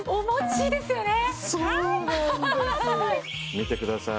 見てください。